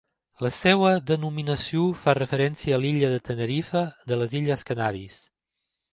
La seva denominació fa referència a l'illa de Tenerife, de les Illes Canàries.